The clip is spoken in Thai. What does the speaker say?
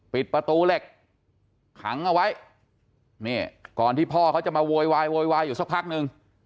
ปิดประตูเหล็กขังเอาไว้นี่ก่อนที่พ่อเขาจะมาโวยวายโวยวายอยู่สักพักนึง